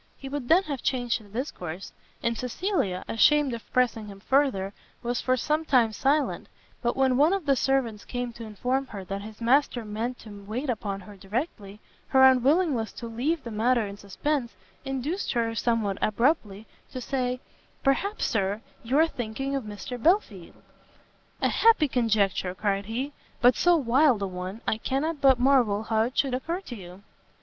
He would then have changed the discourse, and Cecilia, ashamed of pressing him further, was for some time silent; but when one of the servants came to inform her that his master meant to wait upon her directly, her unwillingness to leave the matter in suspense induced her, somewhat abruptly, to say, "Perhaps, Sir, you are thinking of Mr Belfield?" "A happy conjecture!" cried he, "but so wild a one, I cannot but marvel how it should occur to you!"